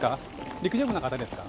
陸上部の方ですか？